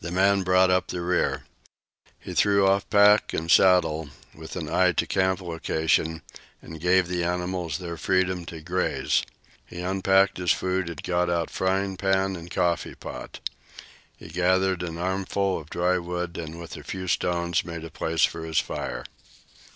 The man brought up the rear. He threw off pack and saddle, with an eye to camp location, and gave the animals their freedom to graze. He unpacked his food and got out frying pan and coffee pot. He gathered an armful of dry wood, and with a few stones made a place for his fire.